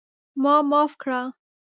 ما معاف کړه!